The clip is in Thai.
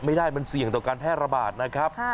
ไม่ได้มันเสี่ยงต่อการแพร่ระบาดนะครับ